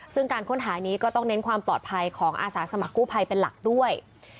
ซึ่งการค้นหานี้ก็ต้องเน้นความปลอดภัยของอาสาสมัครกู้ภัยเป็นหลักด้วย